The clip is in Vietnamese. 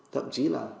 thậm chí là